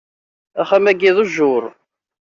Axxam-agi d ujjuṛ.